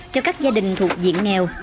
cho các gia đình thuộc diện nghèo